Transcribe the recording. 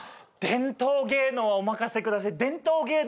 伝統芸能はお任せください。